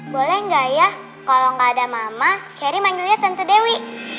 boleh nggak ya kalau nggak ada mama cherry manggilnya tentu dewi